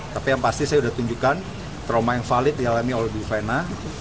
tapi yang pasti saya sudah tunjukkan trauma yang valid dialami oleh bu vena